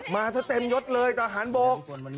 มาเต็มยดเลยต่อหารบก